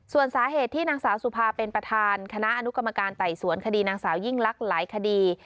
ส่วนสาเหตุที่นางสาวสุภาเป็นประธานคณะอนุกรรมการไต่สวนคดีนางสาวยิ่งลักษณ์หลายคดี